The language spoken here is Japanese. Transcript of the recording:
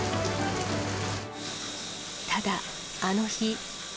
ただ、あの日。